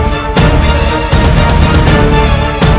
kamu tidak akan bisa menolong